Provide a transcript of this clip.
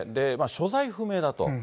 所在不明だと。